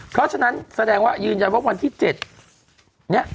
เพราะฉะนั้นแสดงว่ายืนใจวันที่๗